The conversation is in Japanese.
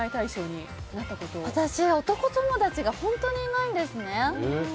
私、男友達が本当にいないんですね。